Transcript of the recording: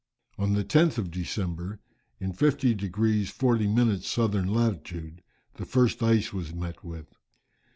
On the 10th of December, in 50 degrees 40 minutes southern latitude the first ice was met with.